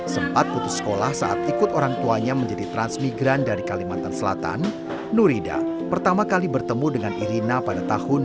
sempat putus sekolah saat ikut orang tuanya menjadi transmigran dari kalimantan selatan nurida pertama kali bertemu dengan irina pada tahun dua ribu